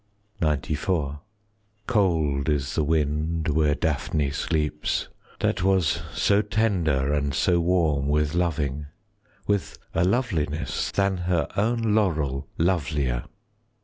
XCIV Cold is the wind where Daphne sleeps, That was so tender and so warm With loving,—with a loveliness Than her own laurel lovelier.